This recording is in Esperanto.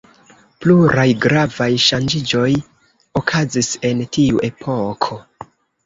Pluraj gravaj ŝanĝiĝoj okazis en tiu epoko.